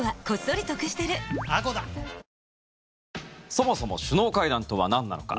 そもそも首脳会談とはなんなのか。